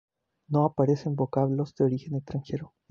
No aparecen vocablos de origen extranjero.